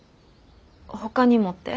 ほかにもって？